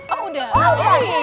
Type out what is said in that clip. oh udah oke bye